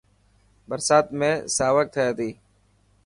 برسات ۾ ساوڪ ٿي تي.